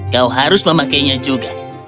kau harus memakainya juga